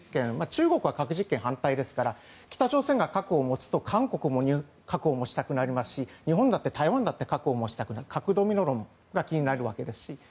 中国は核実験反対ですから北朝鮮が核を持つと韓国も核を持ちたくなりますし日本だって台湾だって核を持ちたくなる核ドミノ論が気になるわけです。